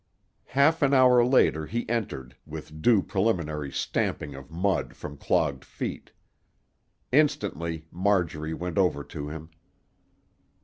Half an hour later he entered, with due preliminary stamping of mud from clogged feet. Instantly Marjorie went over to him.